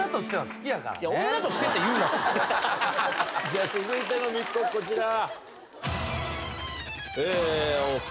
じゃあ続いての密告こちら。